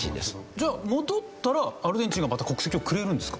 じゃあ戻ったらアルゼンチンがまた国籍をくれるんですか？